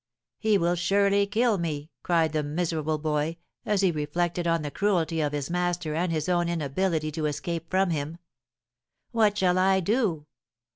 'He will surely kill me!' cried the miserable boy, as he reflected on the cruelty of his master and his own inability to escape from him. 'What shall I do?